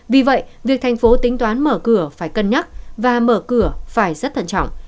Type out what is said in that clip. vì vậy việc thành phố tính toán mở cửa phải cân nhắc và mở cửa phải rất thận trọng